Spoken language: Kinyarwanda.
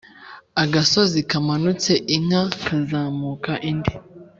Agasozi kamanutse inka kazamuka indi.